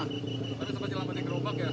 karena sempat nyelamatin gerobak ya